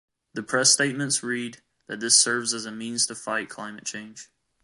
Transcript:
The press statements read, that this serves as a means to "fight climate change".